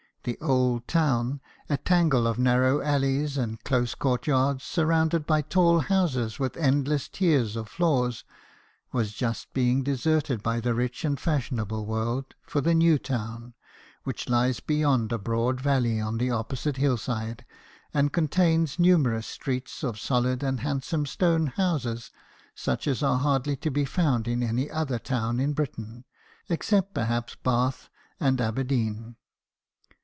The Old Town, a tangle of narrow alleys and close courtyards, surrounded by tall houses with endless tiers of floors, was just being deserted by the rich and fashionable world for the New Town, which lies beyond a broad valley on the opposite hillside, and contains numerous streets of solid and handsome stone houses, such as are hardly to be found in any other town in Britain, except perhaps Bath and Aberdeen.